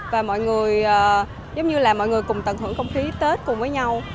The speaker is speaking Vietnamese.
và mọi người giống như là mọi người cùng tận hưởng không khí tết cùng với nhau